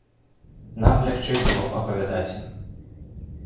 Нам лягчэй было апавядаць ім.